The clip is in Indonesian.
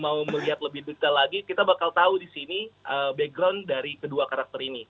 mau melihat lebih detail lagi kita bakal tahu di sini background dari kedua karakter ini